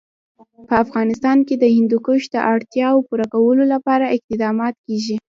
په افغانستان کې د هندوکش د اړتیاوو پوره کولو لپاره اقدامات کېږي.